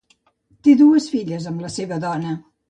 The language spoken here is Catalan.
Té dues filles amb la seva dona.